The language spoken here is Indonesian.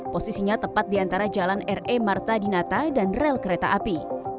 posisinya tepat di antara jalan re marta dinata dan rel kereta api